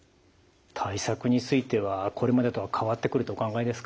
対策についてはこれまでとは変わってくるとお考えですか？